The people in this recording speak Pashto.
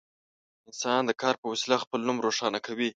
انسان د کار په وسیله خپل نوم روښانه کوي.